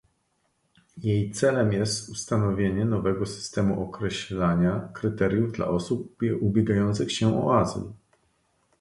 Jej celem jest ustanowienie nowego systemu określania kryteriów dla osób ubiegających się o azyl